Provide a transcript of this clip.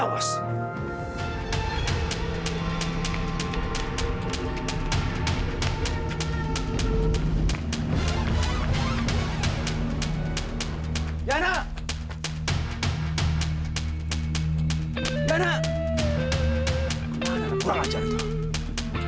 kurang ajar itu